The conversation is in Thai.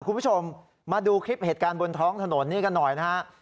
คุณผู้ชมมาดูคลิปเหตุการณ์บนท้องถนนนี้กันหน่อยนะฮะ